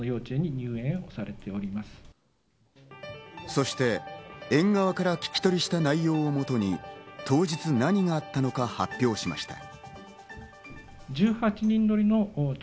そして園側のから聞き取りした内容をもとに当日何があったのか発表しました。